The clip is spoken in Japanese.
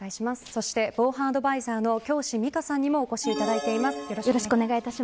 そして防犯アドバイザーの京師美佳さんにもお越しいただいています。